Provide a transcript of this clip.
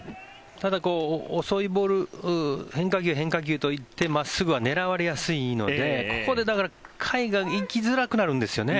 ただ、遅いボール変化球、変化球と行って真っすぐは狙われやすいのでここで甲斐が行きづらくなるんですよね。